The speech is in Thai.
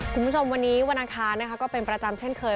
คุณผู้ชมวันนี้วนาคารก็เป็นประจำเช่นเคย